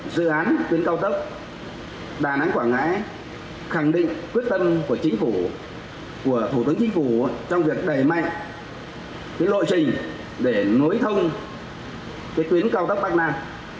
dự án tuyến cao tốc đà nẵng quảng ngãi khẳng định quyết tâm của chính phủ của thủ tướng chính phủ trong việc đẩy mạnh lộ trình để nối thông tuyến cao tốc bắc nam